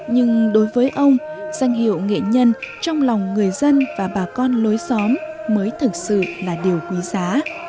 nhưng đối với ông danh hiệu nghệ nhân trong lòng người dân và bà con lối xóm mới thực sự là điều quý giá